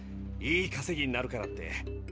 いいかせぎになるからって。